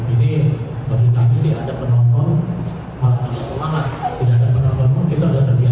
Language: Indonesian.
ini bagi kami sih ada penonton maka ada selamat